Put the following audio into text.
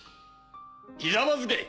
ひざまずけ！